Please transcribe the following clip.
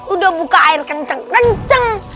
udah buka air kenceng kenceng